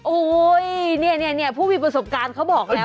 โอ้โหเนี่ยผู้มีประสบการณ์เขาบอกแล้ว